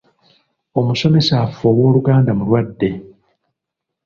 Omusomesa waffe ow’Oluganda mulwadde.